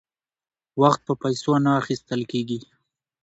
وخت په پیسو نه اخیستل کیږي.